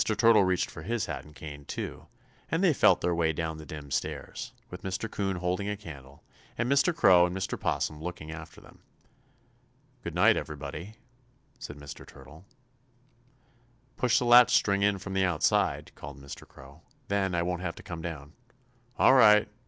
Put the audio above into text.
Turtle reached for his hat and cane, too, and they felt their way down the dim stairs, with Mr. 'Coon holding a candle, and Mr. Crow and Mr. 'Possum looking after them. "Good night, everybody," said Mr. Turtle. [Illustration: CALLED TO JACK RABBIT TO PUSH IN THE LATCH.] "Push the latch string in from the outside," called Mr. Crow. "Then, I won't have to come down." "All right!